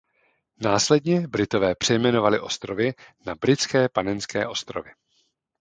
Následně Britové přejmenovali ostrovy na Britské Panenské ostrovy.